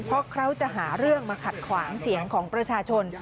เพราะเขาจะหาเรื่องมาขัดขวางเสียงของประชาชน